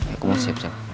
aku mau siap siap